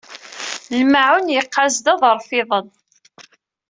Lmaɛun yeqqaz-d aḍref-iḍen.